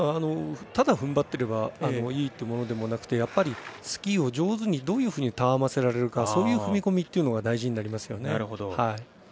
ただ、ふんばっていればいいっていうものでもなくてやっぱり、スキーを上手にどういうふうにたわませられるかそういう踏み込みが大事になりますよね。